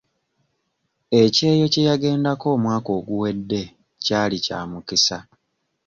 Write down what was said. Ekyeyo kye yagendako omwaka oguwedde kyali kya mukisa.